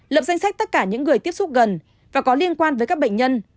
lập danh sách tất cả những người tiếp xúc gần và có liên quan với các bệnh nhân